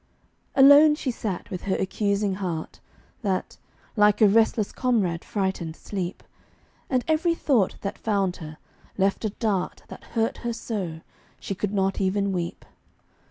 Alone she sat with her accusing heart, That, like a restless comrade frightened sleep, And every thought that found her, left a dart That hurt her so, she could not even weep.